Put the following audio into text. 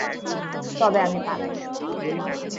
তবে আমি পালাই।